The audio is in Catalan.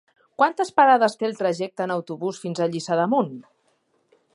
Quantes parades té el trajecte en autobús fins a Lliçà d'Amunt?